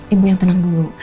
ibu yang tenang dulu